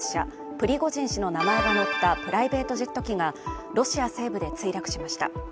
プリゴジン氏の名前が載ったプライベートジェット機がロシア西部で墜落しました。